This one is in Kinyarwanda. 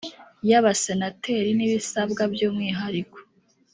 y abasenateri n ibisabwa by umwihariko